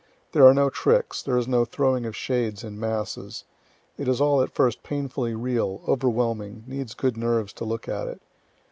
There are no tricks; there is no throwing of shades in masses; it is all at first painfully real, overwhelming, needs good nerves to look at it.